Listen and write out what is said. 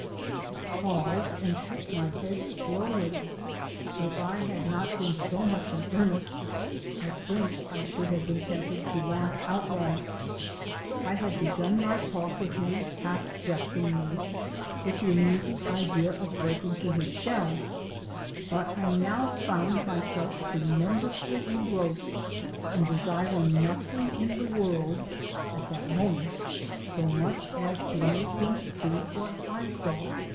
I paused, and shook my head slowly. If I had not been so much in earnest, I think I should have been tempted to laugh outright. I had begun my talk with him half jestingly, with the amusing idea of breaking through his shell, but I now found myself tremendously engrossed, and desired nothing in the world (at that moment) so much as to make him see what I saw.